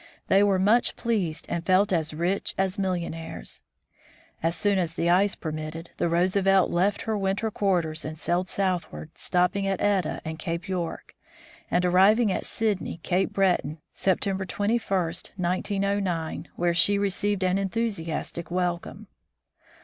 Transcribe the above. They were much pleased and felt as rich as millionaires. As soon as the ice permitted, the Roosevelt left her win ter quarters and sailed southward, stopping at Etah and Cape York, and arriving at Sydney, Cape Breton, Septem ber 21, 1909, where she received an enthusiastic welcome.